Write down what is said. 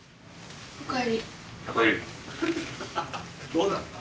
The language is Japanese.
どうだった？